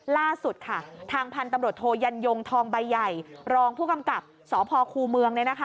ล่าสุดค่ะทางพันธุ์ตำรวจโทยันยงทองใบใหญ่รองผู้กำกับสพคูเมือง